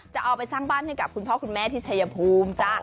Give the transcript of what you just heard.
จะเอาไปสร้างบ้านให้กับคุณพ่อคุณแม่ที่ชายภูมิจ้ะ